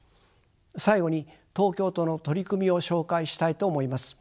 最後に東京都の取り組みを紹介したいと思います。